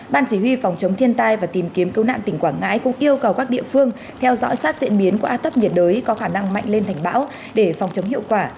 ban chỉ huy phòng chống thiên tai và tìm kiếm cứu nạn tỉnh quảng ngãi cũng yêu cầu các địa phương theo dõi sát diễn biến của áp thấp nhiệt đới có khả năng mạnh lên thành bão để phòng chống hiệu quả